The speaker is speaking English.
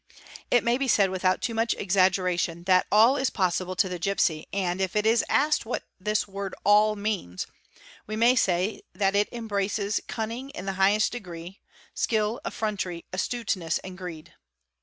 It may be said without too 0 _ a eeeration that all is possible to the gipsy and, if it is asked t this word "all" means, we may say that it embraces cunning in UE 8 RI AYES EIT hi aghest degree, skill, effrontery, astuteness, and greed.